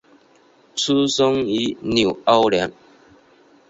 出生于纽奥良。